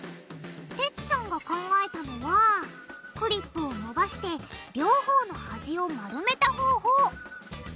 テツさんが考えたのはクリップを伸ばして両方の端を丸めた方法。